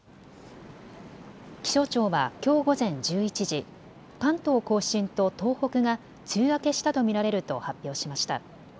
気象庁はきょう午前１１時、関東甲信と東北が梅雨明けしたと見られると発表しました。